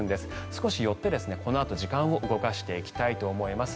少し寄って、このあと時間を動かしていきたいと思います。